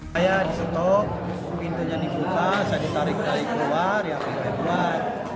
saya disetop pintunya dibuka saya ditarik dari keluar ya saya keluar